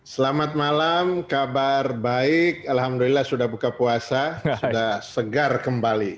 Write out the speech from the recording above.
selamat malam kabar baik alhamdulillah sudah buka puasa sudah segar kembali